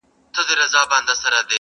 د نغري غاړو ته هواري دوې کمبلي زړې!!